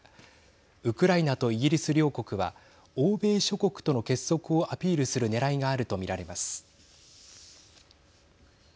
ウクライナとイギリス両国は欧米諸国との結束をアピールするねらいがあると見られます。